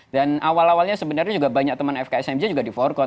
dan awal awalnya sebenarnya juga banyak teman fksimj juga di forkot